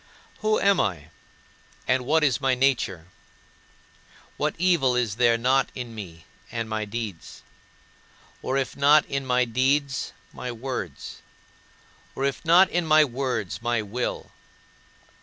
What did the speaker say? Who am I, and what is my nature? What evil is there not in me and my deeds; or if not in my deeds, my words; or if not in my words, my will?